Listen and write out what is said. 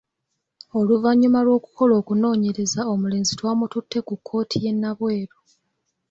Oluvanyuma lw'okukola okunoonyereza omulenzi twamututte ku kkooti y'e Nabweru.